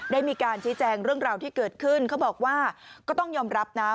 ได้มีการชี้แจงเรื่องราวที่เกิดขึ้นเขาบอกว่าก็ต้องยอมรับนะ